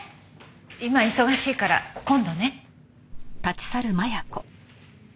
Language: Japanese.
今忙しいから今度ね。